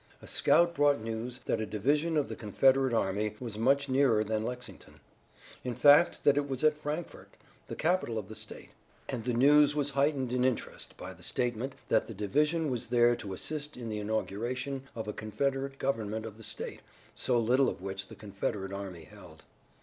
A scout brought news that a division of the Confederate army was much nearer than Lexington; in fact, that it was at Frankfort, the capital of the state. And the news was heightened in interest by the statement that the division was there to assist in the inauguration of a Confederate government of the state, so little of which the Confederate army held.